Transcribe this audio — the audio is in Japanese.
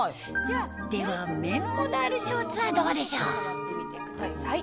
では綿モダールショーツはどうでしょう？